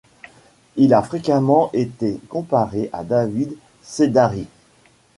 Il a fréquemment été comparé à David Sedaris.